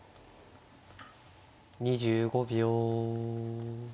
２５秒。